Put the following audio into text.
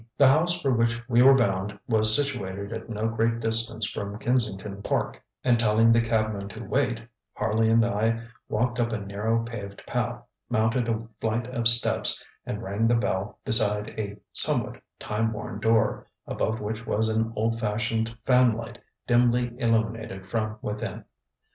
The house for which we were bound was situated at no great distance from Kensington Park, and telling the cabman to wait, Harley and I walked up a narrow, paved path, mounted a flight of steps, and rang the bell beside a somewhat time worn door, above which was an old fashioned fanlight dimly illuminated from within.